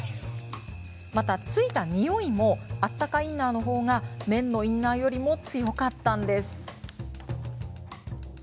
また、付いたにおいもあったかインナーのほうが綿のインナーよりも強かったんです。